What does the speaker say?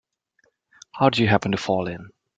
How'd you happen to fall in?